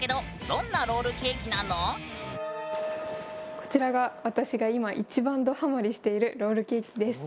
こちらが私が今一番どハマりしているロールケーキです。